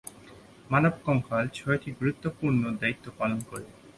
মানব কঙ্কাল ছয়টি গুরুত্বপূর্ণ দায়িত্ব পালন করে।